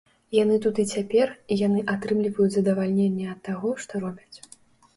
Яны тут і цяпер, і яны атрымліваюць задавальненне ад таго, што робяць.